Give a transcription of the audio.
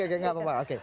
oke gak apa apa